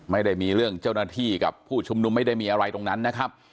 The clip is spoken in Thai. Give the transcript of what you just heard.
ไม่ได้มีเรื่องเจ้าหน้าที่กับผู้ชุมนุมไม่ได้มีอะไรตรงนั้นนะครับ